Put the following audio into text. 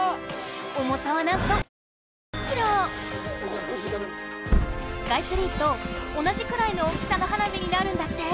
おもさはなんとスカイツリーと同じくらいの大きさの花火になるんだって！